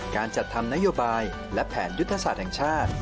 การจัดทำนโยบายและแผนยุทธศาสตร์แห่งชาติ